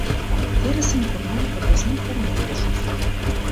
Терысым, кормам подвесной корно дене шупшыктат.